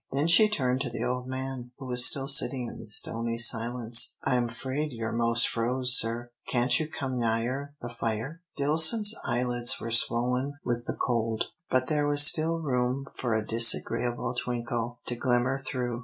Then she turned to the old man, who was still sitting in stony silence. "I'm 'fraid you're most froze, sir. Can't you come nigher the fire?" Dillson's eyelids were swollen with the cold, but there was still room for a disagreeable twinkle to glimmer through.